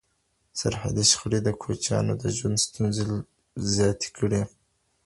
سرحدي شخړې د کوچیانو د ژوند ستونزې زیاتې کړي.